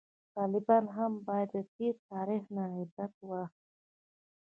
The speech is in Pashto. طالبان هم باید د تیر تاریخ نه عبرت واخلي